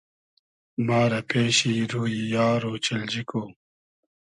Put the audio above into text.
ما رۂ پېشی روی یار اۉچیلجی کو